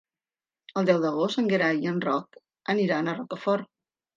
El deu d'agost en Gerai i en Roc aniran a Rocafort.